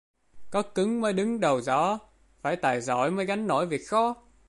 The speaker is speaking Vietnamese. Có cứng mới đứng đầu gió: phải tài giỏi mới gánh nổi việc khó